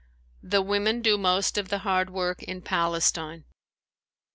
The women do most of the hard work in Palestine.